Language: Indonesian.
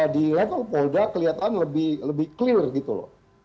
di level polda kelihatan lebih clear gitu loh